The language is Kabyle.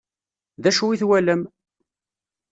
D acu i twalam?